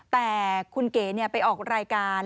แต่คุณเก๋ไปออกรายการ